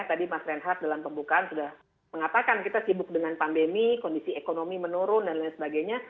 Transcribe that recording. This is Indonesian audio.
tadi mas reinhardt dalam pembukaan sudah mengatakan kita sibuk dengan pandemi kondisi ekonomi menurun dan lain sebagainya